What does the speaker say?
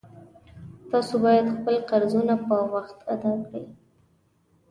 تاسو باید خپل فرضونه په وخت ادا کړئ